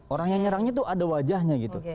orang yang nyerangnya itu ada wajahnya gitu